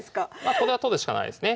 これは取るしかないですね。